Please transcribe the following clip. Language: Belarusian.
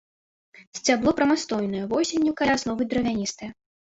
Сцябло прамастойнае, восенню каля асновы дравяністае.